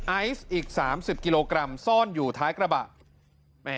ไอซ์อีก๓๐กิโลกรัมซ่อนอยู่ท้ายกระบะ